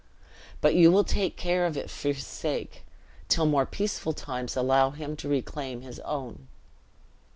But you will take care of it for his sake, till more peaceful times allow him to reclaim his own!"